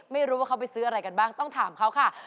ไม่รู้ว่าเขาไปซื้ออะไรกันบ้างต้องถามเขาค่ะ